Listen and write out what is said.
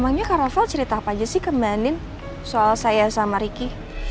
emangnya kak ravel cerita apa aja sih ke mbak andin soal saya sama riki